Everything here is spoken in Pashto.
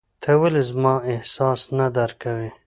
ته ولي زما احساس نه درکوې !